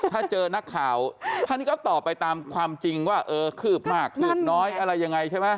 ถ้าเจอนักข่าวท่านก็ตอบไปตามความจริงว่าเออคืบมากคืบน้อยอะไรยังไงใช่ไหม